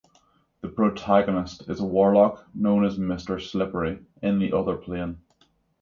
The protagonist is a warlock known as "Mr. Slippery" in the Other Plane.